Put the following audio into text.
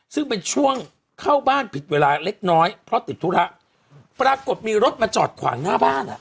ซึ่งเป็นช่วงเข้าบ้านผิดเวลาเล็กน้อยเพราะติดธุระปรากฏมีรถมาจอดขวางหน้าบ้านอ่ะ